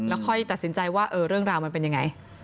แล้วค่อยตัดสินใจว่าเรื่องราวมันเป็นยังไง